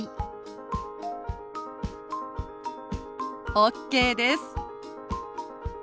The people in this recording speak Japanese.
ＯＫです。